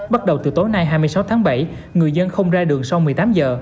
bắt đầu từ tối nay hai mươi sáu tháng bảy người dân không ra đường sau một mươi tám giờ